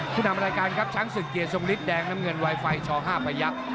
ผู้นำรายการครับช้างศึกเกียรติทรงฤทธิแดงน้ำเงินไวไฟช๕ประยักษ์